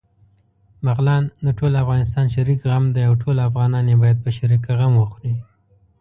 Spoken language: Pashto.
بغلان دټول افغانستان شريک غم دی، او ټول افغانان يې باېد په شريکه غم وخوري